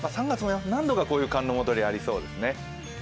３月も何度かこういう寒の戻りありそうですね。